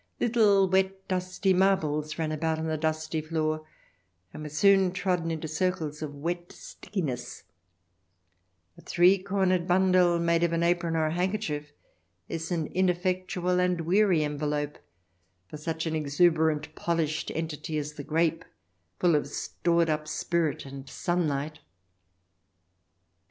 Little wet dusty marbles ran about on the dusty floor and were soon trodden into circles of wet sticki ness ; a three cornered bundle, made of an apron or a handkerchief, is an ineffectual and weary envelope for such an exuberant, polished entity as the grape, full of stored up spirit and sunlight.